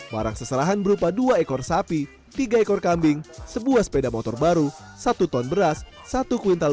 barang seserahan berupa dua ekor sapi tiga ekor kambing sepeda motor baru satu ton beras ketan dan mahar yakni emas dua puluh gram berikut informasinya